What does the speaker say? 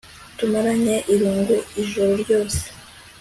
tumarane irungu ijoro ryose